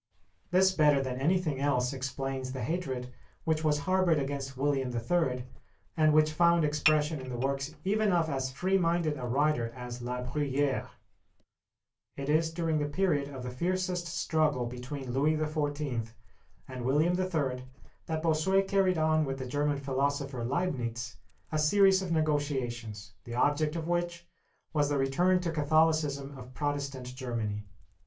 This better than anything else explains the hatred which was harbored against William III., and which found expression in the works even of as free minded a writer as La Bruyère. It is during the period of the fiercest struggle between Louis XIV. and William III. that Bossuet carried on with the German philosopher Leibnitz a series of negotiations, the object of which was the return to Catholicism of Protestant Germany.